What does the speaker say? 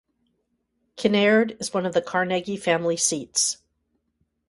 Kinnaird is one of the Carnegie family seats.